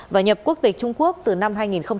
và nhập quốc tịch trung quốc từ năm hai nghìn một mươi